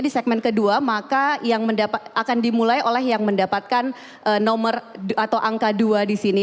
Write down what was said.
di segmen kedua maka akan dimulai oleh yang mendapatkan nomor atau angka dua disini